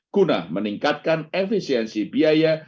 guna meningkatkan efisiensi biaya